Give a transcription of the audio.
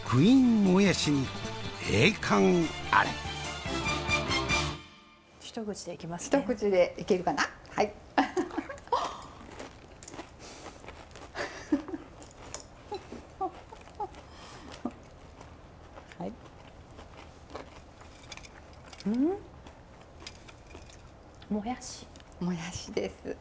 もやしです。